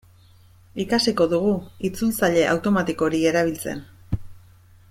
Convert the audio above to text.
Ikasiko dugu itzultzaile automatiko hori erabiltzen.